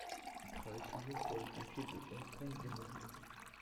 Il travaille toujours pour les pompiers de Hong Kong de nos jours.